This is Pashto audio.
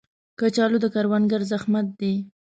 کچالو د کروندګرو زحمت دی